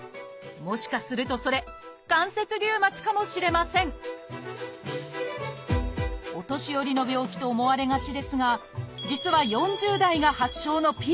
もしかするとそれ「関節リウマチ」かもしれませんお年寄りの病気と思われがちですが実は４０代が発症のピーク。